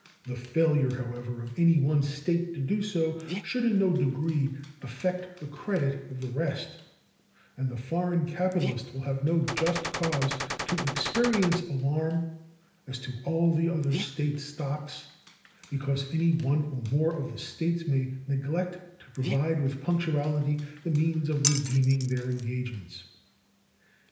The failure, however, of any one State to do so should in no degree affect the credit of the rest, and the foreign capitalist will have no just cause to experience alarm as to all other State stocks because any one or more of the States may neglect to provide with punctuality the means of redeeming their engagements.